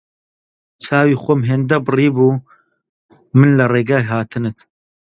چاوی خۆم هێندە بڕیبوو من لە ڕێگای هاتنت